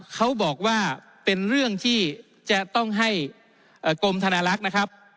เขาบอกว่าเป็นเรื่องที่จะต้องให้กรมธนาลักษณ์นะครับ